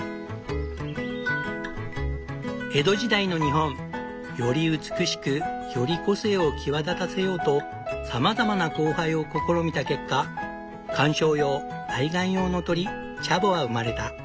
江戸時代の日本。より美しくより個性を際立たせようとさまざまな交配を試みた結果観賞用・愛玩用の鳥チャボは生まれた。